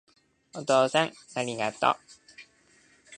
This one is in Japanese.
お父さんありがとう